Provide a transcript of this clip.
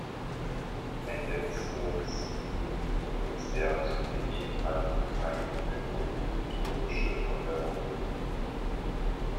Mendelssohns Violinkonzert beinhaltet einige kompositorische Neuerungen.